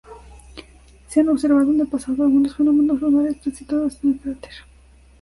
Se han observado en el pasado algunos fenómenos lunares transitorios en el cráter.